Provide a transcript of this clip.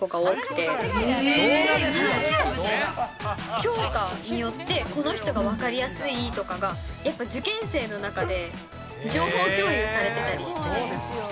教科によってこの人が分かりやすいとかが、やっぱ受験生の中で情報共有されてたりして。